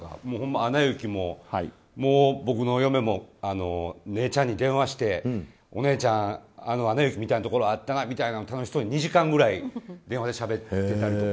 「アナ雪」も僕の嫁も姉ちゃんに電話してお姉ちゃん「アナ雪」みたいなところあったなみたいな楽しそうに２時間ぐらい電話でしゃべっていたとか。